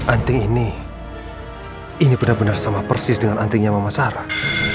anting ini bener bener sama persis dengan antingnya mama sarah